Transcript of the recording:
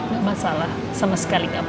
gak masalah sama sekali gak apa apa